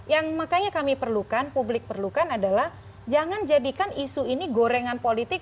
yang makanya kami perlukan publik perlukan adalah jangan jadikan isu ini gorengan politik